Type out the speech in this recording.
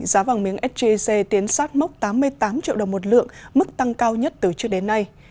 giá vàng miếng sgc tiến sát mốc tám mươi tám triệu đồng một lượng mức tăng cao nhất từ trước đến nay